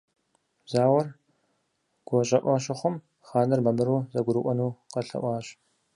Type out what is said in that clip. Зауэр гуащӏэӏуэ щыхъум, хъаныр мамыру зэгурыӏуэну къэлъэӏуащ.